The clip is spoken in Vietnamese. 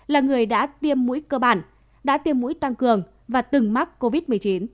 là người đã tiêm mũi cơ bản đã tiêm mũi tăng cường và từng mắc covid một mươi chín